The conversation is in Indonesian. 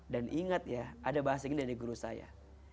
dan ingat ya ada bahasanya gini dari guru saya